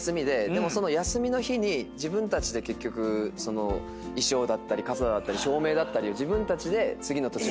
でもその休みの日に自分たちで結局衣装だったりカツラだったり照明だったりを次の土地まで車で運んで。